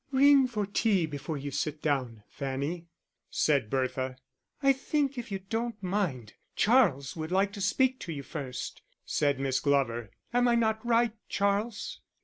"Ring for the tea before you sit down, Fanny," said Bertha. "I think, if you don't mind, Charles would like to speak to you first," said Miss Glover. "Am I not right, Charles?"